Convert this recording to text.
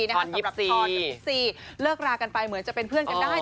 สำหรับทอนกับพี่ซีเลิกรากันไปเหมือนจะเป็นเพื่อนกันได้